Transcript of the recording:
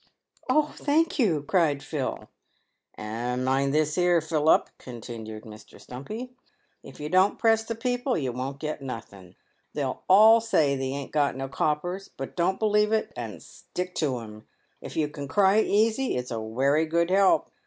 " Oh, thank you," cried Phil. "And mind this here, Philup," continued Mr. Stumpy, "if you don't press the people you won't get nothing. They'll all say they ain't got no coppers, but don't believe it, and stick to 'em. If you 88 PAYED WITH GOLD. can cry easy, it's a werry good help.